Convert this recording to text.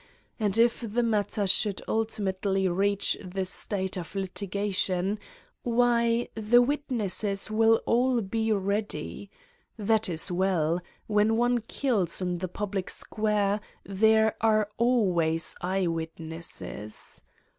And if the matter should ultimately reach the state of litigation, why the witnesses will all be ready ! That is well : When one kills in the public square there are al ways eyewitnesses.